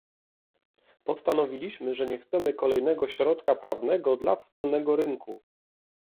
Postanowiliśmy, że nie chcemy kolejnego środka prawnego dla wspólnego rynku